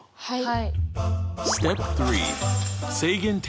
はい。